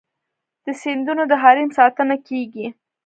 د سیندونو د حریم ساتنه کیږي؟